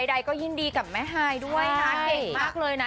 ใดก็ยินดีกับแม่ฮายด้วยนะเก่งมากเลยนะ